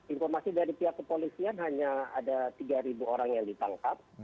informasi dari pihak kepolisian hanya ada tiga orang yang ditangkap